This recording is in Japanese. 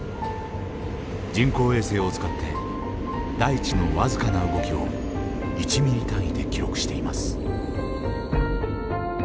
人工衛星を使って大地の僅かな動きを１ミリ単位で記録しています。